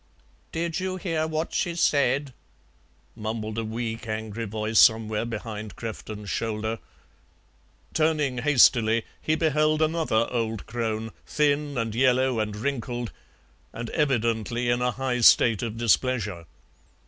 "Did you hear what she said?" mumbled a weak, angry voice somewhere behind Crefton's shoulder. Turning hastily, he beheld another old crone, thin and yellow and wrinkled, and evidently in a high state of displeasure.